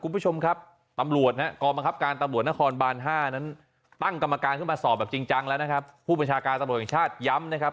ผู้บัญชาการตำรวจแห่งชาติย้ำนะครับ